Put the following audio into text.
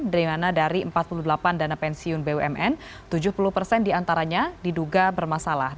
dari mana dari empat puluh delapan dana pensiun bumn tujuh puluh persen diantaranya diduga bermasalah